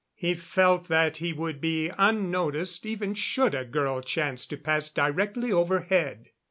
He felt that he would be unnoticed, even should a girl chance to pass directly overhead.